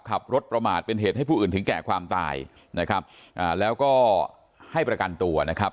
ขับรถประมาทเป็นเหตุให้ผู้อื่นถึงแก่ความตายนะครับอ่าแล้วก็ให้ประกันตัวนะครับ